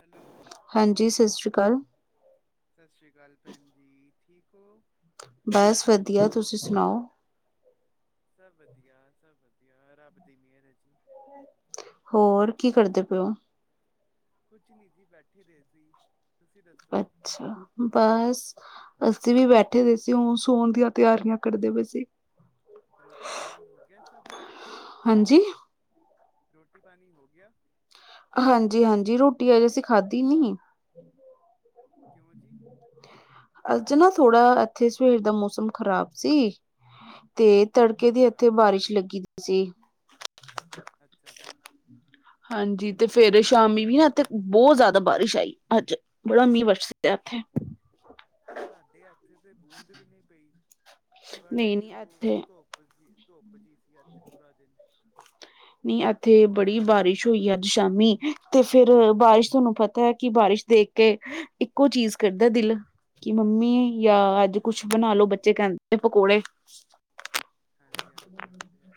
Hello ਹਾਂਜੀ ਸਤਿ ਸ੍ਰੀ ਅਕਾਲ ਸਤਿ ਸ਼੍ਰੀ ਅਕਾਲ ਭੈਣ ਜੀ ਠੀਕ ਹੋ। ਬਸ ਵਧੀਆ ਤੁਸੀਂ ਸੁਣਾਓ। ਸਭ ਵਧੀਆ ਸਭ ਵਧੀਆ ਰੱਬ ਦੀ ਮਿਹਰ ਹੈ ਜੀ। ਹੋਰ ਕੀ ਕਰਦੇ ਪਿਓ। ਕੁਛ ਨਹੀਂ ਜੀ ਬੈਠੇ ਰ ਸੀ ਤੁਸੀਂ ਦੱਸੋ? ਅ ਬਸ ਅਸੀਂ ਵੀ ਬੈਠੇ ਦੇ ਸੀ ਹ ਸੋਣ ਦੀਆਂ ਤਿਆਰੀਆਂ ਕਰਦੇ ਪਏ ਸੀ। ਰੋਟੀ ਪਾਨਣੀ ਹੋ ਗਿਆ ਸਭ ਹਾਂਜੀ ਰੋਟੀ ਪਣੀ ਹੋ ਗਿਆ। ਹਾਂਜੀ ਹਾਂਜੀ ਰੋਟੀ ਅਜ ਅਸੀਂ ਖਾਧੀ ਨੀ। ਕਿਉਂ ਜੀ ਅੱਜ ਨਾ ਥੋੜਾ ਇੱਥੇ ਸਵੇਰ ਦਾ ਮੌਸਮ ਖ਼ਰਾਬ ਸੀ। ਤੇ ਤੜਕੇ ਅੱਛਾ, ਦੀ ਹੱਥੇ ਬਾਰਿਸ਼ ਲੱਗੀ ਸੀ। ਅੱਛਾ ਜੀ ਹਾਂਜੀ ਤੇ ਫੇਰ ਸ਼ਾਮੀ ਵੀ ਨਾ ਇੱਥੇ ਬਹੁਤ ਜ਼ਿਆਦਾ ਬਾਰਿਸ਼ ਆਈ ਅੱਜ ਬੜਾ ਮੀਂਹ ਵਰ ਆਥੇ ਸਾਡੇ ਹੱਥ ਤੇ ਬੂੰਦ ਵੀ ਨਹੀਂ ਪਈ ਬੜਾ ਨਹੀਂ ਨਹੀਂ ਇੱਥੇ ਉਹ ਧੁੱਪ ਜ ਸੀ ਇੱਥੇ ਪੂਰਾ ਦਿਨ ਨੀ ਇੱਥੇ ਬੜੀ ਬਾਰਿਸ਼ ਹੋਈ ਐ ਅੱਜ ਸ਼ਾਮੀ ਤੇ ਫੇਰ ਬਾਰਿਸ਼ ਤੁਹਾਨੂੰ ਪਤਾ ਐ ਕਿ ਬਾਰਿਸ਼ ਦੇਖ ਕੇ, ਇੱਕੋ ਚੀਜ਼ ਕਰਦਾ ਦਿਲ ਕਿ ਮੰਮੀ ਜਾਂ ਅੱਜ ਕੁਛ ਹਾਂਜੀ ਬਣਾ ਲੋ ਜੀ, ਬੱਚੇ ਕਹਿੰਦੇ ਪਕੌੜੇ ਹਾਂਜੀ ਹਾਂਜੀ, ਉਹ ਤੇ ਹੈ।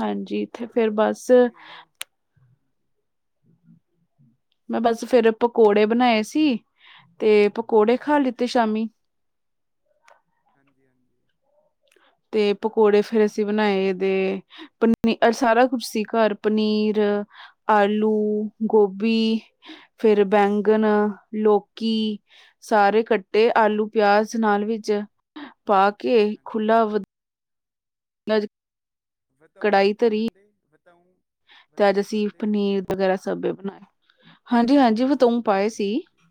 ਹਾਂਜੀ, ਥੇ ਫੇਰ ਬਸ ਅਸੀਂ ਉਹੀਓ ਹਾਂਜੀ ਹਾਂਜੀ, ਮੈਂ ਬਸ ਫੇਰ ਪਕੌੜੇ ਬਣਾਏ ਸੀ, ਤੇ ਪਕੌੜੇ ਖਾ ਲਿੱਤੇ ਸ਼ਾਮੀ। ਹਾਂਜੀ ਹਾਂਜੀ ਤੇ ਪਕੌੜੇ ਫੇਰ ਅਸੀਂ ਬਣਾਏ ਦੇ ਪਨੀ ਸਾਰਾ ਕੁਛ ਸੀ, ਘਰ ਪਨੀਰ ਆਲੂ, ਗੋਭੀ ਫਿਰ ਬੈਂਗਨ ਲੋਕੀ ਸਾਰੇ ਕੱਟੇ ਆਲੂ ਪਿਆਜ਼ ਨਾਲ ਵਿੱਚ ਪਾ ਕੇ ਹਾਂਜੀ। ਖੁਲਾ ਵ [unintelligible] ਵਤਾਊ ਵੀ ਕੜਾਈ ਪਾ ਧਰੀ ਲੈਂਦੇ ਵਤਾਉ ਤੇ ਅੱਜ ਅਸੀਂ ਪਨੀਰ ਵਗੈਰਾ ਸਭੇ ਬਣਾਏ। ਹਾਂਜੀ ਹਾਂਜੀ ਵਤਾਊ ਪਾਏ ਹਾਂਜੀ ਸੀ ਹਾਂਜੀ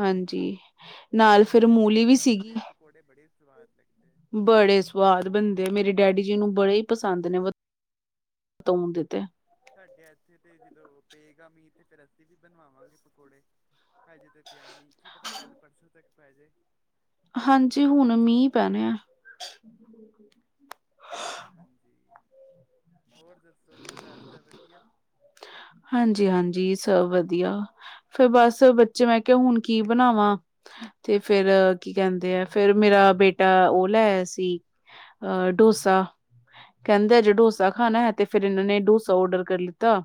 ਹਾਂਜੀ। ਨਾਲ ਫਿਰ ਮੂਲੀ ਵੀ ਸੀਗੀ। ਪਕੋੜੇ ਬੜੀ ਸਵਾਦ ਲੱਗੀ ਬੜੇ ਸਵਾਦ ਬਣਦੇ ਆ ਮੇਰੇ ਡੈਡੀ ਜੀ ਨੂੰ ਬੜੇ ਹੀ ਪਸੰਦ ਨੇ ਵਤਾਉ ਦਿੱਤੇ। ਸਾਡੇ ਇੱਥੇ ਤੇ ਜਦੋਂ ਪਏਗਾ ਮੀਂਹ ਤੇ ਫਿਰ ਅਸੀਂ ਵੀ ਬਣਵਾਵਾਂਗੇ ਪਕੌੜੇ ਹਜੇ ਤੇ ਪਿਆ ਨਹੀਂ ਕੀ ਪਤਾ ਕੱਲ੍ਹ ਪਰਸੋਂ ਤੱਕ ਪੈ ਜੇ ਹਾਂਜੀ ਹੁਣ ਮੀਂਹ ਪੈਣੇ ਆ। ਹਾਂਜੀ ਹੋਰ ਦੱਸੋ ਘਰ ਸਭ ਵਧੀਆ ਹਾਂਜੀ ਹਾਂਜੀ ਸਭ ਵਧੀਆ। ਫੇਰ ਬਸ ਬੱਚੇ ਮੈਂ ਕਿਹਾ ਹੁਣ ਕੀ ਬਣਾਵਾਂ। ਤੇ ਫੇਰ ਕੀ ਕਹਿੰਦੇ ਆ, ਫੇਰ ਮੇਰਾ ਬੇਟਾ ਉਹ ਲੈ ਆਇਆ ਸੀ। ਅਹ ਡੋਸਾ ਕਹਿੰਦੇ ਆ ਜਿਹੜਾ ਡੋਸਾ ਖਾਣਾ ਹਾਂਜੀ ਹੈ ਤੇ ਫੇਰ ਇਹਨਾਂ ਨੇ ਡੋਸਾ ਔਡਰ ਕਰ ਲਿੱਤਾ।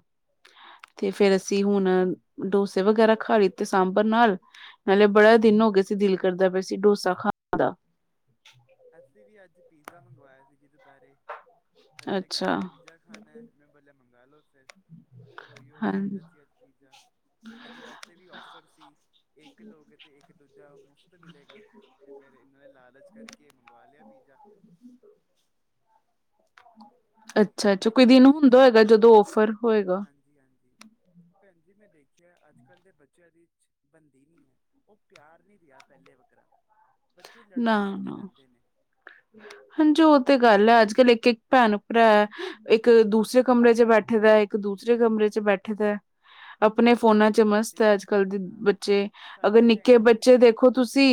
ਤੇ ਫੇਰ ਅਸੀਂ ਹੁਣ ਡੋਸੇ ਵਗੈਰਾ ਹਾਂਜੀ ਖਾ ਲਈ ਤੇ ਸਾਂਭਰ ਨਾਲ, ਨਾਲੇ ਬੜਾ ਦਿਨ ਹੋ ਗਏ ਸੀ ਦਿਲ ਕਰਦਾ ਪਿਆ ਸੀ ਡੋਸਾ ਖਾ ਣੇ ਦਾ। ਅਸੀਂ ਵੀ ਅੱਜ ਪੀਜ਼ਾ ਮੰਗਵਾਇਆ ਸੀ ਜੀ ਦੁਪਹਿਰੇ, ਬੱਚੇ ਕਹਿੰਦੇ ਅੱਛਾ ਪੀਜ਼ਾ ਖਾਣਾ। ਮੈਂ ਬੋਲਿਆ ਮੰਗਾ ਲੋ ਫੇਰ, ਫਿਰ ਉਹੀਓ ਹਾਂਜੀ ਖਾਧਾ ਸੀ ਅੱਜ ਪੀਜ਼ਾ। ਅੱਜ ਵਾਸਤੇ ਵੀ ਔਫਰ ਸੀ, ਇੱਕ ਲੋਗੇ ਤੇ ਇੱਕ ਦੂਜਾ ਮੁਫ਼ਤ ਮਿਲੇਗਾ। ਤੇ ਫੇਰ ਇਹਨਾਂ ਨੇ ਲਾਲਚ ਕਰਕੇ, ਮੰਗਵਾ ਲਿਆ ਪੀਜ਼ਾ। ਅੱਛਾ ਅੱਛਾ, ਕੋਈ ਲੇਕਿਨ ਦਿਨ ਭੈਣ ਹੁੰਦਾ ਹੋਏਗਾ ਜਦੋਂ ਔਫਰ ਹੋਏਗਾ। ਹਾਂਜੀ ਜੀ ਹਾਂਜੀ, ਭੈਣ ਜੀ ਮੈਂ ਦੇਖਿਆ ਅੱਜ ਕੱਲ ਦੇ ਚ ਬੱਚਿਆਂ ਦੀ ਬੰਦੀ ਨੀ ਐ। ਉਹ ਪਿਆਰ ਨੀ ਰਿਯਾ, ਪਹਿਲੇ ਵਕਗਾ ਨਾ ਨਾ। ਹਾਂਜੀ, ਉਹ ਤੇ ਗੱਲ ਐ, ਅੱਜ ਕੱਲ ਇੱਕ ਇੱਕ ਭੈਣ ਭਰਾ ਐ, ਇੱਕ ਦੂਸਰੇ ਕਮਰੇ ਚ ਬੈਠੇ ਦਾ ਇੱਕ ਦੂਸਰੇ ਕਮਰੇ ਚ ਬੈਠੇ ਐ ਦਾ। ਆਪਣੇ ਫੋਨਾਂ ਚ ਮਸਤ ਐ, ਅੱਜ ਸਾਡੇ ਕੱਲ੍ਹ ਦੇ ਹਾਂ ਬੱਚੇ ਅਗਰ ਸਾਡੇ ਨਿੱਕੇ ਟਾਈਮ ਤੇ ਬੱਚੇ ਦੇਖੋਂ ਤੁਸੀਂ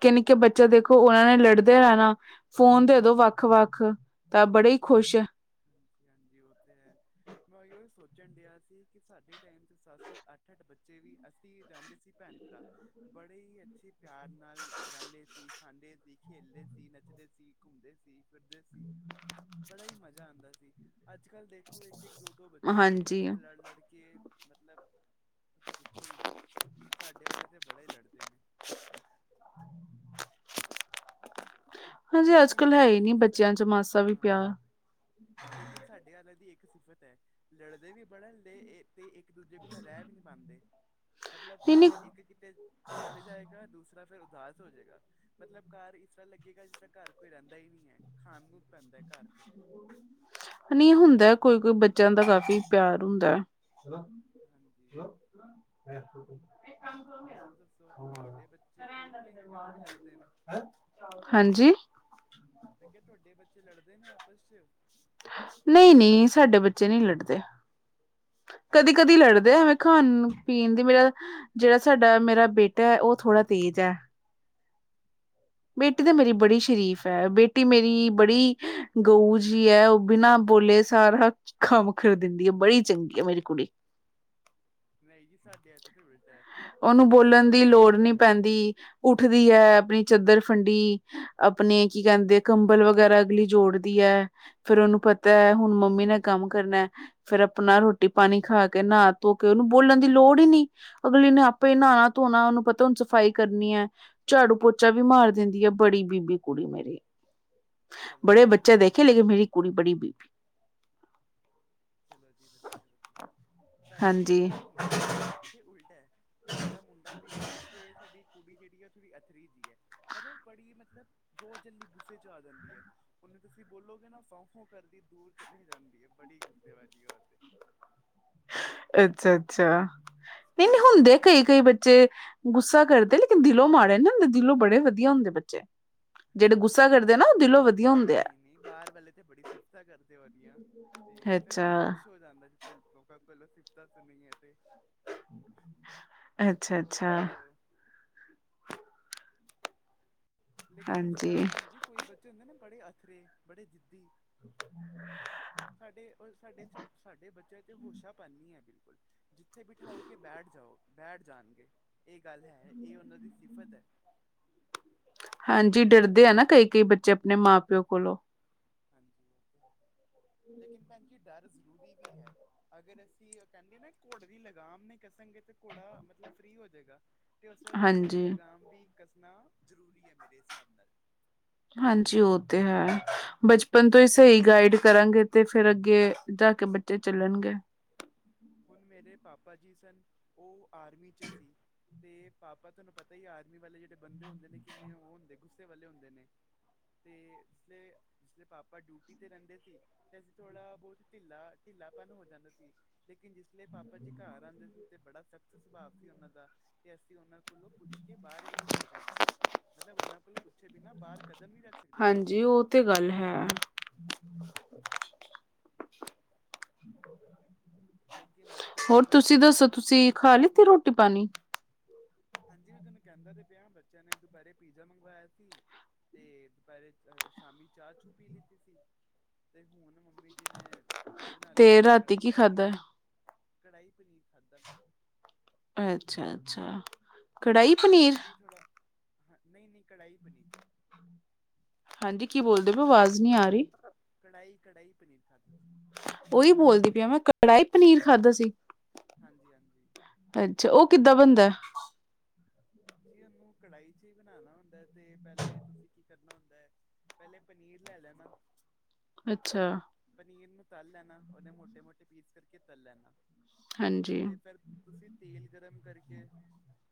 ਨਿੱਕੇ ਨਿੱਕੇ ਬੱਚੇ ਦੇਖੋਂ, ਉਹ ਐ ਵੇ ਲੜਦੇ ਹੈ ਨਾ ਫੋਨ ਦੇ ਦੋਂ ਵੱਖ ਵੱਖ, ਤਾਂ ਬੜੇ ਹੀ ਖੁਸ਼। ਹਾਂਜੀ ਹਾਂਜੀ, ਉਹ ਤੇ ਹੈ। ਮੈਂ ਉਈਓ ਸੋਚਣ ਡਿਆ ਸੀ, ਕਿ ਸਾਡੇ ਟਾਈਮ ਤੇ ਸੱਤ ਸੱਤ ਅੱਠ ਅੱਠ ਬੱਚੇ ਵੀ ਅਸੀਂ ਰਹਿੰਦੇ ਸੀ ਭੈਣ ਭਰਾ, ਬੜੇ ਹੀ ਅੱਛੇ ਪਿਆਰ ਨਾਲ ਰਹਿੰਦੇ ਸੀ। ਖਾਂਦੇ ਸੀ, ਖੇਲਦੇ ਸੀ, ਨੱਚਦੇ ਸੀ, ਘੁੰਮਦੇ ਸੀ, ਫਿਰਦੇ ਸੀ ਬੜਾ ਹੀ ਮਜ਼ਾ ਜਾਂ ਆਦਾ ਸੀ, ਅੱਜ ਕੱਲ੍ਹ ਦੇਖੋ ਇੱਕ ਇੱਕ ਦੋ ਦੋ ਬੱਚੇ ਨੇ ਤੇ ਹਾਂਜੀ, ਕਿਸੇ ਲੜ ਲੜ ਕੇ ਮਤਲਬ ਤੁਸੀਂ ਪੁੱਛੋ ਹੀ ਨਾ, ਸਾਡੇ ਵਾਲੇ ਤੇ ਬੜੇ ਹੀ ਲੜਦੇ ਨੇ। [unintelligible] ਹਾਂਜੀ ਅੱਜ ਲੇਕਿਨ ਕੱਲ੍ਹ ਹੈ ਇੱਕ ਹੀ ਨਹੀਂ ਬੱਚਿਆਂ ਸਿਫਤ ਚ ਮਾਸਾ ਵੀ ਹਾਂ ਪਿਆ। ਲੇਕਿਨ ਸਾਡੇ ਆਲੇ ਦੀ ਇੱਕ ਸਿਫਤ ਹੈ, ਲੜਦੇ ਵੀ ਬੜਨ ਦੇ ਇਹ ਤੇ ਇੱਕ ਦੂਜੇ ਬਿਨਾਂ ਰਹਿ ਵੀ ਨਹੀਂ ਪਾਉਦੇ, ਮਤਲਬ ਨਹੀਂ-ਨਹੀਂ, ਅਗਰ ਇੱਕ ਕਿਤੇ ਚਲੇ ਜਾਏਗਾ, ਦੂਸਰਾ ਫਿਰ ਉਦਾਸ ਹੋ ਜਾਏਗਾ। ਮਤਲਬ ਘਰ ਇਸ ਤਰ੍ਹਾਂ ਲੱਗੇਗਾ, ਜਿਸ ਤਰ ਘਰ ਕੋਈ ਰਹਿੰਦਾ ਹੀ ਨਹੀਂ ਹੈ, ਖਾਣ ਨੂੰ ਪੈਂਦਾ ਘਰ ਫਿਰ। ਨਹੀਂ ਹੁੰਦਾ, ਕੋਈ ਕੋਈ ਬੱਚਿਆਂ ਦਾ ਕਾਫੀ ਪਿਆਰ ਹੁੰਦਾ ਹੈ। ਹਾਂਜੀ ਹੈ। ਹੋਰ ਦੱਸੋ, ਤੁਹਾਡੇ ਬੱਚੇ ਠੀਕ ਨੇ, ਜਾਂ ਉਹ ਵੀ ਲੜਦੇ ਨੇ। ਹਾਂਜੀ। ਮੈਂ ਕਿਹਾ ਤੁਹਾਡੇ ਬੱਚੇ ਲੜਦੇ ਨੇ ਆਪਸ ਚ। ਨਹੀਂ ਨਹੀਂ, ਸਾਡੇ ਬੱਚੇ ਨਹੀਂ ਲੜਦੇ। ਕਦੀ ਅੱਛਾ ਕਦੀ ਜੀ ਚਲੋ ਲੜਦੇ ਆ, ਜੀ, ਮੈਂ ਖਾਣ ਵਧੀਆ ਪੀਣ ਦੀ ਮੇਰਾ ਤ ਜਿਹੜਾ ਸਾਡਾ ਮੇਰਾ ਬੇਟਾ ਐ, ਉਹ ਥੋੜ੍ਹਾ ਤੇਜ਼ ਐ। ਬੇਟੀ ਤੇ ਸਾਡੀ ਮੇਰੀ ਤਾਂ ਬੜੀ ਕੁੜੀ ਸ਼ਰੀਫ ਤੇਜ ਹੈ ਐ, ਬੇ ਬੇਟੀ ਮੇਰੀ ਬੜੀ ਗਊ ਜੀ ਐ, ਉਹ ਬਿਨਾਂ ਬੋਲੇ ਸਾਰਾ ਕਮ ਕਰ ਦਿੰਦੀ ਐ, ਬੜੀ ਚੰਗੀ ਐ ਮੇਰੀ ਕੁੜੀ। ਨਹੀਂ ਜੀ ਸਾਡੇ ਇੱਥੇ ਤੇ ਉਲਟਾ ਹੈ ਸਾਡਾ ਉਹਨੂੰ ਮੁੰਡਾ ਬੋਲਣ ਦੀ ਬੜਾ ਲੋੜ ਬੀਬਾ ਨੀ ਹੈ ਪੈਂਦੀ ਉੱਠਦੀ ਐ ਆਪਣੀ ਚਾਦਰ ਫੰਡੀ, ਆਪਣੇ ਕੀ ਕਹਿੰਦੇ ਕੰਬਲ ਵਗੈਰਾ ਅਗਲੀ ਜੋੜਦੀ ਐ। ਫਿਰ ਉਹਨੂੰ ਪਤਾ ਐ, ਹੁਣ ਮੰਮੀ ਨੇ ਕੰਮ ਕਰਨਾ। ਫਿਰ ਆਪਣਾ ਰੋਟੀ ਪਾਣੀ ਖਾ ਕੇ, ਨਾਹ ਧੋ ਕੇ, ਉਹਨੂੰ ਬੋਲਣ ਦੀ ਲੋੜ ਹੀ ਨੀ। ਅਗਲੀ ਨੇ ਆਪੇ ਨਾਣਾ ਧੋਣਾ, ਉਹਨੂੰ ਪਤਾ ਹੁਣ ਸਫ਼ਾਈ ਕਰਨੀ ਐ, ਝਾੜੂ ਪੋਚ ਪੋਚਾ ਵੀ ਮਾਰ ਦਿੰਦੀ ਐ, ਬੜੀ ਬੀਬੀ ਕੁੜੀ ਮੇਰੀ, ਚਲੋ ਬੜੇ ਜੀ ਬੱਚੇ ਵਧੀਆ ਹੈ। ਦੇਖੇ ਲੇਕਿਨ ਮੇਰੀ ਕੁੜੀ ਬੜੀ ਬੀਬੀ ਚਲੋ ਜੀ ਵਧੀਆ ਵਧੀਆ, ਸਾਡਾ ਵੀ ਹਾਂਜੀ ਸਾਡਾ ਸਾਡੇ ਇੱਥੇ ਉਲਟਾ ਹੈ। ਸਾਡਾ ਮੁੰਡਾ ਬੀਬਾ ਹੈ, ਤੇ ਸਾਡੀ ਕੁੜੀ ਜਿਹੜੀ ਹੈ ਉਹ ਥੋੜ੍ਹੀ ਅਥਰੀ ਦੀ ਹੈ, ਮਤਲਬ ਬੜੀ ਮਤਲਬ ਬਹੁਤ ਜਲਦੀ ਗੁੱਸੇ ਚ ਆ ਜਾਂਦੀ ਹੈ। ਉਹਨੂੰ ਤੁਸੀਂ ਬੋਲੋਗੇ ਨਾ, ਫੌ ਫੋਂ ਕਰਦੀ ਦੂਰ ਚਲੇ ਜਾਂਦੀ ਹੈ ਬੜੀ ਗੁੱਸੇ ਵਾਲੀ ਐ ਔ ਤੇ। ਅੱਛਾ ਅੱਛਾ, ਤੇ ਨਹੀਂ ਨਹੀਂ ਸਕੂਲ ਹੁੰਦੇ ਇਸ ਲਈ ਕਈ ਕਦੇ ਕਈ ਬੱਚੇ। ਗੁੱਸਾ ਕਰਦੇ, ਲੇਕਿਨ ਦਿਲੋਂ ਮਾੜੇ ਨਾ ਹੁੰਦੇ, ਦਿਲੋਂ ਬੜੇ ਵਧੀਆ ਹੁੰਦੇ ਬੱਚੇ। ਜਿਹੜੇ ਹਾਂਜੀ ਗੁੱਸਾ ਹਾਂਜੀ ਕਰਦੇ ਨਾ, ਹੋਤੇ ਉਹ ਹੈ ਦਿਲੋਂ ਵਧੀਆ। ਹੁੰਦੇ ਆ ਨਹੀਂ ਨਹੀਂ, ਬਾਹਰ ਵਾਲੇ ਤੇ ਬੜੀ ਸਿਫਤਾਂ ਕਰਦੇ ਉਹਦੀਆਂ। ਤੇ ਫੇਰ ਅੱਛਾ ਮਨ ਖੁਸ਼ ਹੋ ਜਾਂਦਾ, ਜਿਸ ਲੇ ਲੋਕਾਂ ਕੋਲੋਂ ਸਿਫਤਾਂ ਸੁਣੀਏ ਤੇ। ਅੱਛਾ ਔਰ ਅੱਛਾ ਦੱਸੋ। ਲੇਕਿਨ ਜਿਸ ਹਾਂਜੀ ਤਰ੍ਹਾਂ ਭੈਣ ਜੀ, ਕੋਈ ਬੱਚੇ ਹੁੰਦੇ ਨਾ ਬੜੇ ਅਥਰੇ ਬੜੇ ਜਿੱਦੀ। ਸਾਡੇ ਅ, ਸਾਡੇ 'ਚ ਸਾਡੇ ਬੱਚਿਆਂ ਤੇ ਹੋਸ਼ਾ ਪਨ ਨੀ ਐ ਬਿਲਕੁਲ। ਜਿੱਥੇ ਬਿਠਾਓਗੇ ਬੈਠ ਜਾਓ, ਬੈਠ ਜਾਨਗੇ, ਐ ਗੱਲ ਐ, ਐ ਉਹਨਾਂ ਦੀ ਸਿਫਤ ਹੈ। ਹਾਂਜੀ ਡਰਦੇ ਐ ਨਾ ਕਈ-ਕਈ ਬੱਚੇ ਆਪਨੇ ਮਾਂ-ਪਿਓ ਕੋਲੋਂ। ਹਾਂਜੀ ਓ ਤੇ ਹੈ, ਲੇਕਿਨ ਭੈਣ ਜੀ ਡਰ ਜ਼ਰੂਰੀ ਵੀ ਹੈ। ਅਗਰ ਅਸੀਂ ਉਹ ਕਹਿੰਦੇ ਨਾ, ਘੋੜੇ ਦੀ ਲਗਾਮ ਨਈ ਕਸਾਂਗੇ ਤਾਂ ਘੋੜਾ ਮਤਲਬ ਫ੍ਰਰੀ ਹੋ ਜੇਗਾ। ਤੇ ਉਸ ਵੇਲੇ ਬੱਚਿਆਂ ਦੀ ਹਾਂਜੀ ਲਗਾਮ ਵੀ ਕੱਸਣਾ ਜ਼ਰੂਰੀ ਐ ਮੇਰੇ ਹਿਸਾਬ ਨਾਲ। ਹਾਂਜੀ ਓ ਤੇ ਹੈ, ਬਚਪਨ ਤੋਂ ਹੀ ਸਾਡੇ ਸਹੀ ਗਾਈਡ ਕਰਾਂਗੇ ਹਾਂਜੀ ਤੇ ਫੇਰ ਅੱਗੇ ਜਾ ਕੇ ਬੱਚੇ ਚੱਲਨਗੇ। ਹੁਨ ਮੇਰੇ ਪਾਪਾ ਜੀ ਸਨ, ਉਹ ਆਰਮੀ 'ਚ ਸੀ। ਤੇ ਪਾਪਾ ਤੁਹਾਨੂੰ ਪਤਾ ਹੀ ਆਰਮੀ ਵਾਲੇ ਜਿਹੜੇ ਬੰਦੇ ਹੁੰਦੇ ਨੇ ਕਿੰਨੇ ਓ ਹੁੰਦੇ, ਗੁੱਸੇ ਵਾਲੇ ਹੁੰਦੇ ਨੇ। ਤੇ ਇਸਲੀਯੇ ਜਿਸਲੇ ਪਾਪਾ ਡਿਊਟੀ ਤੇ ਰਹਿੰਦੇ ਸੀ ਤੇ ਅਸੀਂ ਥੋੜਾ ਬੋਤ ਢਿੱਲਾ, ਢਿੱਲਾਪਨ ਹੋ ਜਾਂਦਾ ਸੀ। ਲੇਕਿਨ ਜਿਸ ਲੇ ਪਾਪਾ ਜੀ ਘਰ ਆਂਦੇ ਸੀ ਤੇ ਬੜਾ ਸਖ਼ਤ ਸੁਭਾਅ ਸੀ ਉਹਨਾਂ ਦਾ। ਤੇ ਅਸੀਂ ਓਨਾਂ ਕੋਲੋਂ ਪੁੱਛ ਕੇ ਬਾਹਰ ਵੀ ਨੀ ਜਾ ਸਕਦੇ ਸੀ, ਮਤਲਬ ਓਨਾਂ ਕੋਲ ਪੁੱਛੇ ਬਿਨਾਂ ਬਾਹਰ ਕਦਮ ਨਹੀਂ ਰੱਖ ਸਕਦੇ ਸੀ ਅਸੀਂ ਹਾਂਜੀ ਓ ਤੇ ਗੱਲ ਹੈ। ਲੇਕਿਨ ਅੱਜ ਕੱਲ ਦੇ ਹੋਰ ਤੁਸੀਂ ਬੱਚੇ ਦੱਸੋ, ਤੁਸੀਂ ਖਾ ਲਿੱਤੀ ਰੋਟੀ ਪਾਨੀ? ਹਾਂਜੀ ਮੈਂ ਤੁਆਨੁ ਕੈਂਦਾ ਤੇ ਪਿਆ, ਬੱਚਿਆਂ ਨੇ ਦੁਪੇਰੇ ਪੀਜ਼ਾ ਮੰਗਵਾਇਆ ਸੀ। ਤੇ ਦੁਪੈਰੇ ਅ ਸ਼ਾਮੀ ਚਾਹ ਚੂ ਪੀ ਲਿੱਤੀ ਸੀ। ਤੇ ਹੁਨ ਮੰਮੀ ਜੀ ਨੇ ਓ ਬਨਾ ਤੇ ਲਿੱਤਾ ਸੀ ਰਾਤੀ ਕੜਾਈ ਕੀ ਪਨੀਰ। ਖਾਧਾ ਕੜਾਈ ਪਨੀਰ ਖਾਧਾ ਫਿਰ। ਅੱਛਾ-ਅੱਛਾ, ਕੜਾਈ ਪਨੀਰ ਓ ਵੀ ਥੋੜ੍ਹਾ ਹਾਂ, ਨਈ-ਨਈ ਕੜਾਈ ਪਨੀਰ। ਹਾਂਜੀ ਕੀ ਬੋਲਦੇ ਪਏ ਓ? ਆਵਾਜ਼ ਨੀ ਆ ਰੀ। ਕੜਾਈ-ਕੜਾਈ ਪਨੀਰ ਖਾਧਾ ਸੀ। ਓਈ ਬੋਲਦੀ ਪੀਆ ਮੈਂ, ਕੜਾਈ ਪਨੀਰ ਖਾਧਾ ਸੀ? ਹਾਂਜੀ-ਹਾਂਜੀ। ਅੱਛਾ, ਓ ਕਿੱਦਾਂ ਬਨਦਾ? ਜੀ ਓਨੂੰ ਕੜਾਹੀ 'ਚ ਹੀ ਬਨਾਨਾ ਹੁੰਦਾ ਐ ਤੇ ਪਹਿਲੇ ਤੁਸੀਂ ਕੀ ਕਰਨਾ ਹੁੰਦਾ ਹੈ। ਪਹਿਲੇ ਪਨੀਰ ਲੈ ਲੈਨਾ। ਅੱਛਾ। ਪਨੀਰ ਨੂੰ ਤਲ ਲੈਨਾ, ਓਦੇ ਮੋਟੇ-ਮੋਟੇ ਪੀਸ ਕਰਕੇ ਤਲ ਲੈਨਾ ਹਾਂਜੀ, ਤੇ ਫਿਰ ਤੁਸੀਂ ਤੇਲ ਗਰਮ ਕਰਕੇ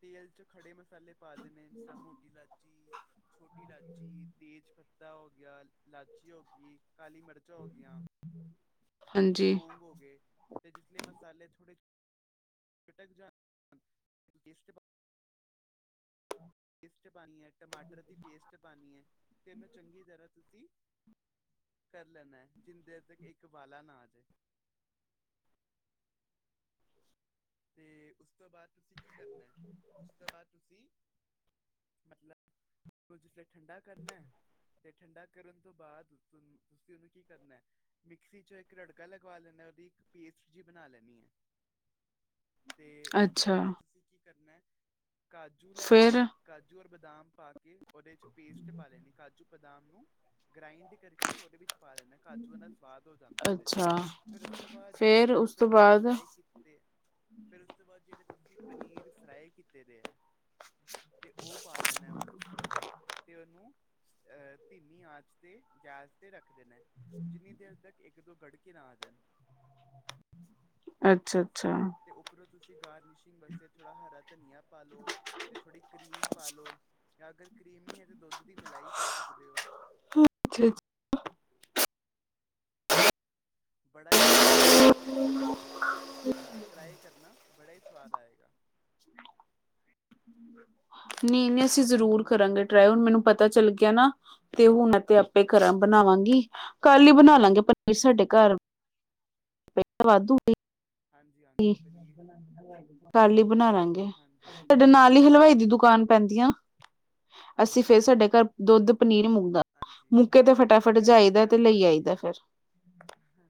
ਤੇਲ 'ਚ ਖੜੇ ਮਸਾਲੇ ਪਾ ਦੇ ਨੇ ਜਿਸ ਤਰ੍ਹਾਂ ਮੋਟੀ ਲਾਚੀ ਛੋਟੀ ਇਲਾਚੀ, ਤੇਜ ਪੱਤਾ ਹੋ ਗਿਆ, ਲਾਚੀ ਹੋ ਗੀ, ਕਾਲੀ ਮਰਚਾਂ ਹੋਗਿਆਂ। ਹਾਂਜੀ, ਲੌਗ ਹੋ ਗੇ ਤੇ ਜਿਸ ਲੇ ਮਸਾਲੇ ਥੋੜੇ [unintelligible] ਪੇਸਟ ਪਾਨੀ ਐ, ਟਮਾਟਰ ਦੀ ਪੇਸਟ ਪਾਨੀ ਐ ਤੇ ਏਨੂੰ ਚੰਗੀ ਤਰ੍ਹਾਂ ਤੁਸੀਂ ਕਰ ਲੈਨਾਂ ਐ, ਜਿੰਨੀ ਦੇਰ ਤੱਕ ਇੱਕ ਉਬਾਲਾ ਨਾ ਆ ਜੇ। ਤੇ ਉਸ ਤੋਂ ਬਾਦ ਤੁਸੀਂ ਕੀ ਕਰਨਾ ਐ? ਉਸ ਤੋਂ ਬਾਦ ਤੁਸੀਂ ਮਤਲਬ ਓ ਜਿਸ ਲੇ ਠੰਡਾ ਕਰਨਾ ਐ ਤੇ ਠੰਡਾ ਕਰਨ ਤੋਂ ਬਾਦ ਤੁ ਤੁਸੀਂ ਓਨੂੰ ਕੀ ਕਰਨਾ ਐ? ਮਿਕਸੀ ਚੋਂ ਇੱਕ ਰੜਕਾ ਲਗਵਾ ਲੈਂਨਾ, ਓਦੀ ਇੱਕ ਪੇਸਟ ਜੀ ਬਨਾਂ ਲੈਨੀ ਐ। ਤੇ ਉਸ ਤੋਂ ਅੱਛਾ ਬਾਦ ਤੁਸੀਂ ਕੀ ਕਰਨਾ ਐ? ਕਾਜੂ ਲੈਨੇ ਫੇਰ ਐ ਕਾਜੂ ਔਰ ਬਦਾਮ ਪਾ ਕੇ ਓਦੇ 'ਚ ਪੇਸਟ ਪਾ ਲੈਨੀ ਕਾਜੂ ਬਦਾਮ ਨੂੰ ਗ੍ਰਾਇੰਡ ਕਰਕੇ ਕਦੇ ਵਿੱਚ ਪਾ ਦੇਨਾ, ਕਾਜੂਆਂ ਦਾ ਸਵਾਦ ਹੋ ਜਾਂਦਾ ਓਦੇ 'ਚ ਅੱਛਾ ਫੇਰ ਉਸ ਤੋਂ ਬਾਦ ਜੇੜੇ ਫੇਰ ਤੁਸੀਂ ਉਸ ਤੋਂ ਪਨੀਰ ਬਾਅਦ ਫਰਾਈ ਕੀਤੇ। ਫਿਰ ਉਸ ਤੋਂ ਬਾਦ ਜੇੜੇ ਤੁਸੀਂ ਪਨੀਰ ਫਰਾਈ ਕੀਤੇ ਦੇ ਐ ਤੇ ਓ ਪਾ ਲੈਂਨੈ ਉੱਪਰੋਂ ਤੇ ਤੇ ਓਨੂੰ ਅਹ ਧੀਮੀ ਆਂਚ ਤੇ ਗੈਸ ਤੇ ਰੱਖ ਦੇਨੈ ਜਿੰਨੀ ਦੇਰ ਤੱਕ ਇੱਕ ਦੋ ਗੜਕੇ ਨਾ ਆ ਜਾਣ। ਬਸ ਅੱਛਾ-ਅੱਛਾ ਤੇ ਉੱਪਰੋਂ ਤੁਸੀਂ ਗਾਰਨਿਸ਼ਿੰਗ ਵਾਸਤੇ ਥੋੜ੍ਹਾ ਹਰਾ ਧਨੀਆ ਪਾਲੋ ਤੇ ਥੋੜ੍ਹੀ ਕਰੀਮ ਪਾਲੋ। ਯਾਂ ਅਗਰ ਕਰੀਮ ਨੀ ਹੈ ਤਾਂ ਦੁੱਧ ਦੀ ਮਲਾਈ ਪਾ ਸਕਦੇ ਓ। [unintelligible] ਅੱਛਾ ਬੜਾ ਈ ਸਵਾਦ ਬਣਦਾ ਤੁਸੀਂ ਇੱਕ ਵਾਰੀ ਅ ਟਰਾਈ ਕਰਨਾ ਬੜਾ ਈ ਸਵਾਦ ਆਏਗਾ। [unintelligible] ਨੀ-ਨੀ ਅਸੀਂ ਜ਼ਰੂਰ ਕਰਾਂਗੇ ਟਰਾਈ ਹੁਣ ਮੈਨੂੰ ਪਤਾ ਚੱਲ ਗਿਆ ਨਾ। ਤੇ ਹੁਣ ਤੇ ਆਪੇ ਕਰਾਂ ਬਣਾਵਾਂਗੀ ਕੱਲ ਈ ਬਣਾ ਲਾਂਗੇ ਪਨੀਰ ਸਾਡੇ ਘਰ [inaudible] ਫਿਰ ਤਾਂ ਵਾਧੂ ਹਾਂਜੀ ਪਈ ਹਾਂਜੀ ਪਨੀਰ ਕੱਲ ਈ ਬਣਾ ਲਾਂਗੇ ਹਾਂਜੀ ਸਾਡੇ ਹਾਂਜੀ ਨਾ [unintelligible] ਕੋਲ ਈ ਹਲਵਾਈ ਦੀ ਦੁਕਾਨ ਪੈਂਦੀ ਆ ਅੱਜ ਅਸੀਂ ਤੁਹਾਡੇ ਫੇਰ ਸਾਡੇ ਲੱਗਦਾ ਘਰ ਦੁੱਧ ਪਨੀਰ ਮੁੱਲਦਾ। ਹਾਂਜੀ ਮੁੱਕੇ ਤੇ ਮੈਨੂੰ ਫਟਾਫਟ ਲੱਗਦਾ ਜਾਈਦਾ ਤੇ ਲਈ ਆਈਦਾ ਫਿਰ। ਅ ਹ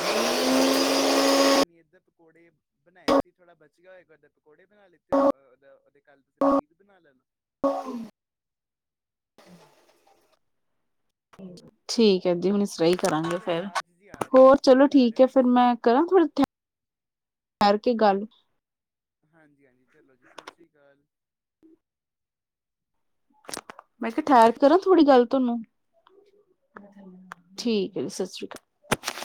ਮੈਨੂੰ ਏਈਓ ਬੋਲਦਾ ਵੀ ਅੱਜ ਜੇੜੇ ਪਨੀਰ ਦੇ ਪਕੌੜੇ ਬਣਾਏ ਸੀ ਥੋੜਾ ਬਚ ਗਿਆ ਹੋਏਗਾ ਓਦੇ ਪਕੌੜੇ ਬਣਾ ਲਿੱਤੇ ਅ ਦਾ ਓਦੇ ਕੱਲ ਤੁਸੀਂ ਪਨੀਰ ਬਣਾ ਲੈਣਾ। [unintelligible] ਉਹ ਠੀਕ ਹੈ। ਜੀ ਹੁਣ ਇਸ ਤਰਾ ਹੀ ਹਾਂਜੀ ਕਰਾਂਗੇ ਪਿੱਛੇ ਫੇਰ ਆਵਾਜ਼ ਜੀ ਆ ਰਹੀ ਹੈ ਹੋਰ ਕੀ ਚਲੋ ਬਣਾ ਰਹੇ ਠੀਕ ਹੋ ਹੈ। ਫੇਰ ਮਿਕਸੀ ਚ ਮੈਂ ਕਰਾਂ ਥੜਾ ਕਰਕੇ ਗੱਲ ਹਾਂਜੀ- ਹਾਂਜੀ ਚਲੋ ਜੀ ਸਤਿ ਸ੍ਰੀ ਅਕਾਲ। ਮੈਂ ਕਿਹਾ ਠਹਿਰ ਕੇ ਕਰਾਂ ਥੋੜ੍ਹੀ ਗੱਲ ਤੁਹਾਨੂੰ ਠੀਕ ਹੈ। ਜੀ ਸਤਿ ਸ੍ਰੀ ਅਕਾਲ-